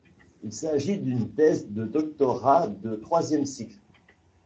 Il s'agit d'une thèse de doctorat de troisième cycle.